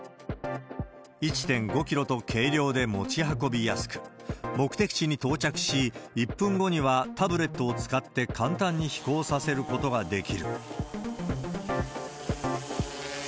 １．５キロと軽量で持ち運びやすく、目的地に到着し、１分後にはタブレットを使って簡単に飛行させることができる。